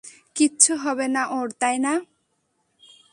কিচ্ছু হবে না ওর, তাই না?